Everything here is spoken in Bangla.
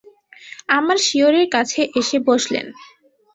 আমার শিয়রের কাছে এসে বসলেন।